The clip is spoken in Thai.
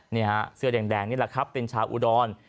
เนี้ยฮะเสือแดงแดงนี่แหละครับตินชาอุดร